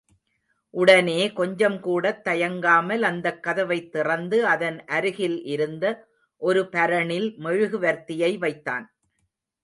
உடனே, கொஞ்சம் கூடத் தயங்காமல் அந்தக் கதவைத் திறந்து அதன் அருகில் இருந்த ஒரு பரணில் மெழுகுவர்த்தியை வைத்தான்.